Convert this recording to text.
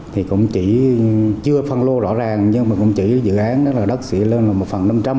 thì cũng chỉ chưa phân lô rõ ràng nhưng mà cũng chỉ dự án là đất sẽ lên một phần năm trăm linh